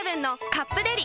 「カップデリ」